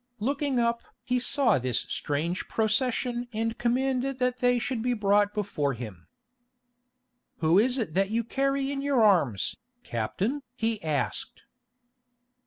Looking up he saw this strange procession and commanded that they should be brought before him. "Who is it that you carry in your arms, captain?" he asked.